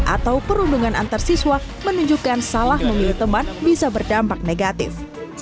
atau perundungan antarsiswa menunjukkan salah memilih teman bisa berdampak negatif